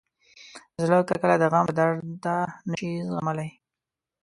زړه کله کله د غم له درده نه شي زغملی.